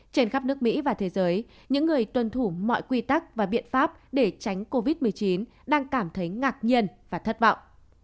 trên khắp nước mỹ và thế giới những người tuân thủ mọi quy tắc và biện pháp để tránh covid một mươi chín đang cảm thấy ngạc nhiên và thất vọng